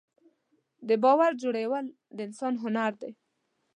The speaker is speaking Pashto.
د باور جوړول د انسان هنر دی.